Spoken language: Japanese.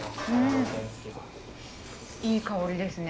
いい香りですね。